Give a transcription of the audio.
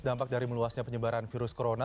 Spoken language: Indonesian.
dampak dari meluasnya penyebaran virus corona